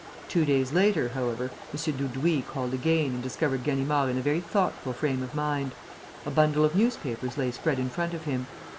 Two days later, however, M. Dudouis called again and discovered Ganimard in a very thoughtful frame of mind. A bundle of newspapers lay spread in front of him.